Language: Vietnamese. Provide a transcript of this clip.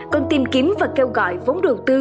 còn tìm kiếm và kêu gọi vốn đầu tư